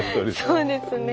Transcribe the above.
そうですね。